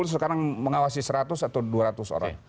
sekarang mengawasi seratus atau dua ratus orang